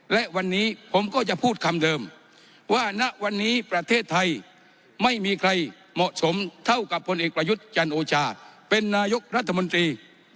และวันนี้ผมก็จะพูดคำเดิมว่าณวันนี้ประเทศไทยไม่มีใครเหมาะสมเท่ากับผลเอกประยุทธ์จันโอชาเป็นนายกรัฐมนตรี